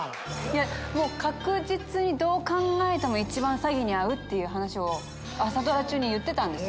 確実にどう考えても一番詐欺に遭うっていう話を朝ドラ中に言ってたんです。